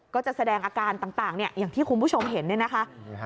ก็จะแสดงอาการต่างอย่างที่คุณผู้ชมเห็นเนี่ยนะคะ